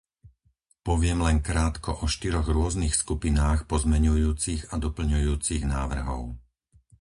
Poviem len krátko o štyroch rôznych skupinách pozmeňujúcich a doplňujúcich návrhov.